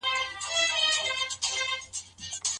تر لاس لاندي کسانو ته خپل حقوق ورکړئ.